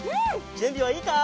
じゅんびはいいか？